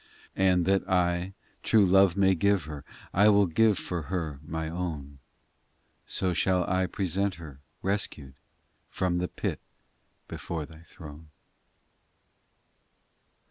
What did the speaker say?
XI And that I true life may give her, I will give for her My own, So shall I present her, rescued, From the pit, before Thy throne.